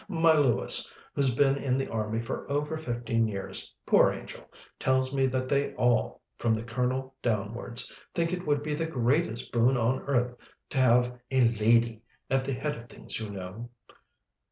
My Lewis, who's been in the Army for over fifteen years, poor angel, tells me that they all from the Colonel downwards think it would be the greatest boon on earth, to have a lady at the head of things, you know."